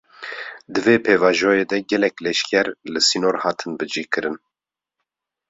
Di vê pêvajoyê de gelek leşker, li sînor hatin bicih kirin